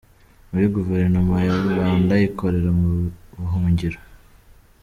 Muri Guverinoma ya rubanda ikorera mu buhungiro